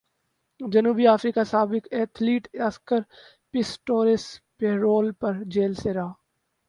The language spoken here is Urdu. جنوبی افریقہ سابق ایتھلیٹ اسکر پسٹوریس پیرول پر جیل سے رہا